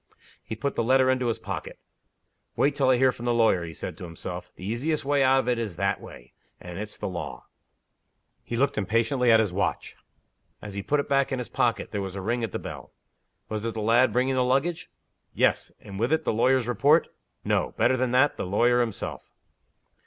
He put the letter into his pocket. "Wait till I hear from the lawyer," he said to himself. "The easiest way out of it is that way. And it's the law." He looked impatiently at his watch. As he put it back again in his pocket there was a ring at the bell. Was it the lad bringing the luggage? Yes. And, with it, the lawyer's report? No. Better than that the lawyer himself.